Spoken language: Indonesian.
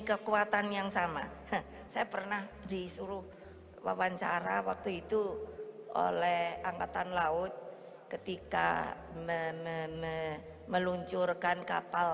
kekuatan yang sama saya pernah disuruh wawancara waktu itu oleh angkatan laut ketika meluncurkan kapal